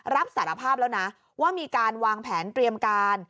รับสารภาพแล้วนะว่ามีการวางแผนเตรียมการ